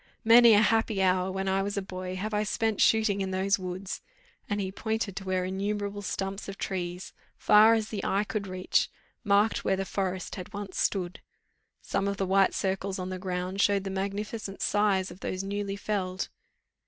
Many a happy hour, when I was a boy, have I spent shooting in those woods," and he pointed to where innumerable stumps of trees, far as the eye could reach, marked where the forest had once stood: some of the white circles on the ground showed the magnificent size of those newly felled.